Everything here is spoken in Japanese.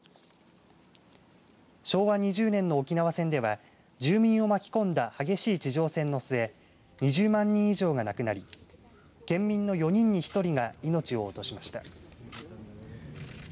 昭和２０年の沖縄戦では住民を巻き込んだ激しい地上戦の末２０万人以上が亡くなり県民の４人に１人が命を落としました。